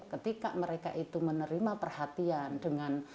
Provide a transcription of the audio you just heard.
ketika mereka itu menerima perhatian dengan